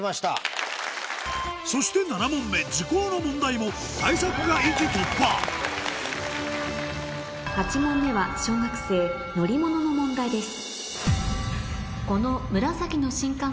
そして７問目図工の問題も対策が生き突破８問目は小学生乗り物の問題です